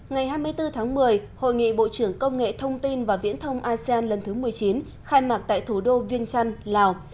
ngày hai mươi bốn tháng một mươi hội nghị bộ trưởng công nghệ thông tin và viễn thông asean lần thứ một mươi chín khai mạc tại thủ đô viên trăn lào